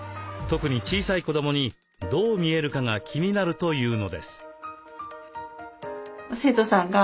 特に小さい子どもにどう見えるかが気になるというのです。